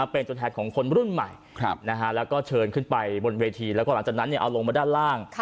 โปรแมนค่ะแล้วก็เชิญขึ้นไปบนเวทีแล้วก็หลังจากนั้นเอาลงมาด้านล่าง